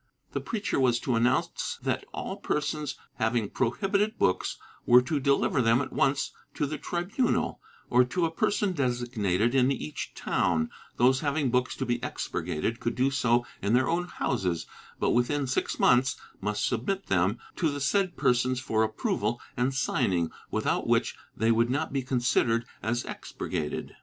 The preacher was to announce that all persons having prohibited books were to deliver them at once to the tribunal, or to a person designated in each town; those having books to be expurgated could do so in their own houses, but within six months must submit them to the said persons for approval and signing, without which they would not be considered as expurgated.